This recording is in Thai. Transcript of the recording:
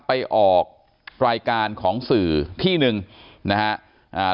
ไปออกรายการของสื่อที่หนึ่งนะฮะอ่า